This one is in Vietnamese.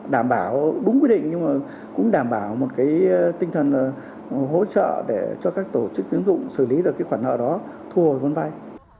đảm bảo đúng quy định nhưng mà cũng đảm bảo một tinh thần hỗ trợ để cho các tổ chức tướng dụng xử lý được khoản nợ đó thu hồi vấn vay